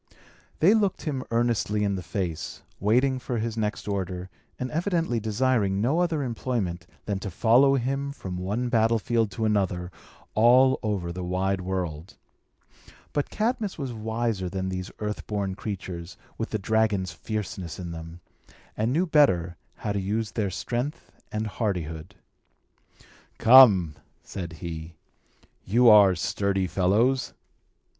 They looked him earnestly in the face, waiting for his next order, and evidently desiring no other employment than to follow him from one battlefield to another, all over the wide world. But Cadmus was wiser than these earth born creatures, with the dragon's fierceness in them, and knew better how to use their strength and hardihood. "Come!" said he. "You are sturdy fellows.